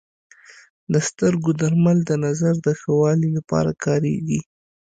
د سترګو درمل د نظر د ښه والي لپاره کارېږي.